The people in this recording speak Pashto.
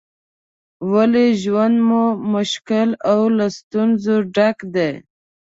ولې ژوند مو مشکل او له ستونزو ډک دی؟